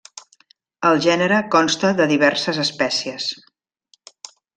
El gènere consta de diverses espècies.